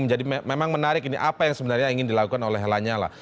jadi memang menarik ini apa yang sebenarnya ingin dilakukan oleh lanyala